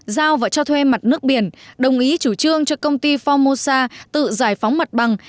giao và cho thuê mặt nước biển đồng ý chủ trương cho công ty formosa tự giải phóng mặt bằng